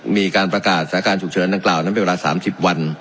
มีการประกาศสถานการณ์ฉุกเฉินดังกล่าวนั้นเป็นเวลา๓๐วัน